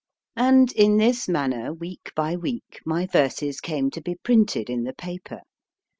And in this manner, week by week, my verses came to be printed in the paper.